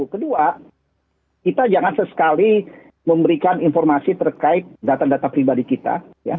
kedua kita jangan sesekali memberikan informasi terkait data data pribadi kita